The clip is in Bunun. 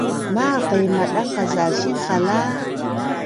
Maaq i madangqas a sinqala a